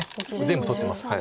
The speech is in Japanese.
全部取ってます。